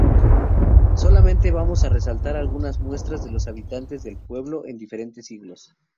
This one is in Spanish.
Solamente, vamos a resaltar algunas muestras de los habitantes del pueblo en diferentes Siglos.